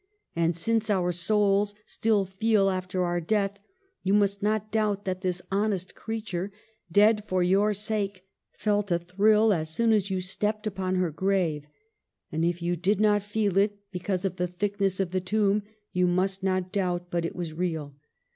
And since our souls still feel after our death, you must not doubt that this honest creature, dead for your sake, felt a thrill as soon as you stepped upon her grave. And if you did not feel it, be cause of the thickness of the tomb, you must not doubt but it was real.